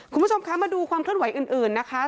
คุณผู้ชมคะมาดูความเคลื่อนไหวอื่นนะคะ